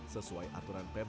sesuai aturan perusahaan